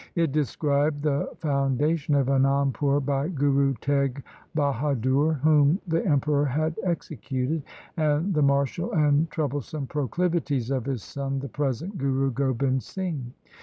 It described the founda tion of Anandpur by Guru Teg Bahadur, whom the Emperor had executed, and the martial and trouble some proclivities of his son the present Guru Gobind Singh.